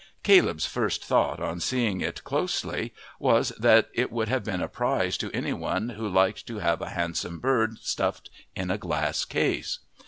Caleb's first thought on seeing it closely was that it would have been a prize to anyone who liked to have a handsome bird stuffed in a glass case.